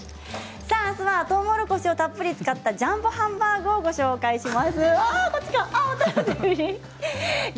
明日はとうもろこしをたっぷり使ったジャンボハンバーグをご紹介します。